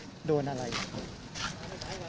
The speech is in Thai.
ตัดโดนอะไรครับ